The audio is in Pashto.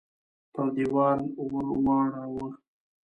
پر دېوال ورواړوه !